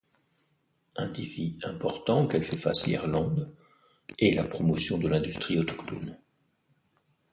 Un défi important auquel fait face l'Irlande est la promotion de l'industrie autochtone.